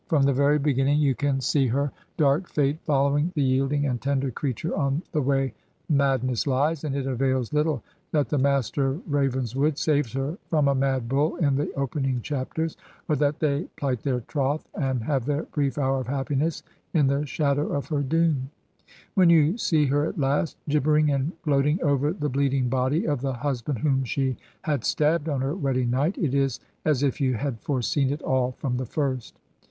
From the very beginning you can see her 95 Digitized by VjOOQIC HEROINES OF FICTION dark fate following the yielding and tender creature on "that way madness lies/' and it avails little that the Master of Ravenswood saves her from a mad bull in the opening chapters, or that they plight their troth and have their brief hour of happiness in the shadow of her doom. When you see her at last, gibbering and gloat ing over the bleeding body of the husbsmd whom she had stabbed on her wedding night, it is as if you had foreseen it all from the first.